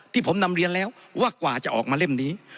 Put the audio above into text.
ที่ผมนำเรียนแล้วว่ากว่าจะออกมาเล่มนี้